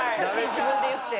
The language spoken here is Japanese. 自分で言って。